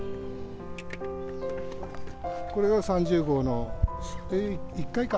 これが３０号の１階か。